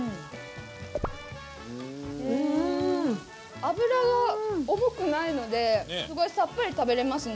脂が重くないのですごいさっぱり食べられますね。